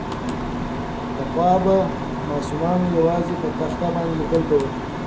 پخوا به ماسومانو یوازې په تخته باندې لیکل کول.